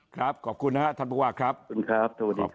ครับขอบคุณนะฮะท่านภูวาครับขอบคุณครับ